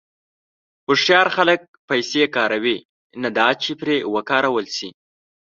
هوښیار خلک پیسې کاروي، نه دا چې پرې وکارول شي.